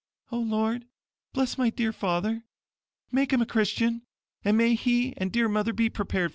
"O Lord, bless my dear father. Make him a Christian, and may he and dear mother be prepared for heaven!"